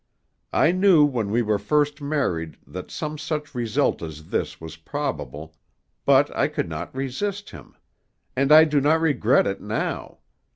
I knew when we were first married that some such result as this was probable, but I could not resist him; and I do not regret it now.